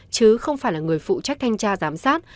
chứ không phải là người phụ trách thanh tra giám sát